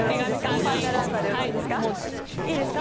ファイナルアンサーでよろしいですか？